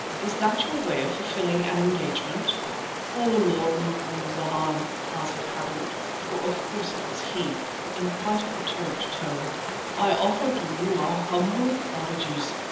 Is that your way of fulfilling an engagement?" "O Lord Macumazana," answered Harût, for of course it was he, in quite a perturbed tone, "I offer to you our humble apologies.